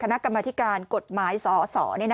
เกิดว่าจะต้องมาตั้งโรงพยาบาลสนามตรงนี้